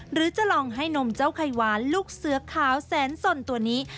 หรือจะลองให้นมเจ้าไข่หวานลูกเสือขาวแสนสนตัวนี้